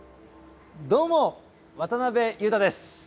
どうも渡辺裕太です。